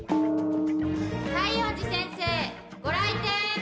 西園寺先生ご来店！